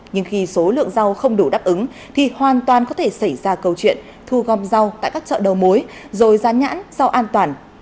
nhưng khi số lượng rau không đủ đáp ứng thì hoàn toàn có thể xảy ra câu chuyện thu gom rau tại các chợ đầu mối rồi rán nhãn rau an toàn